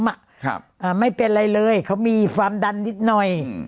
อ่าไม่เป็นไรเลยเขามีความดันนิดหน่อยอืม